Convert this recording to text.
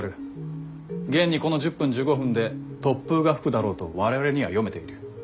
現にこの１０分１５分で突風が吹くだろうと我々には読めている。